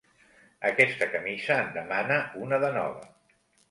Aquesta camisa en demana una de nova.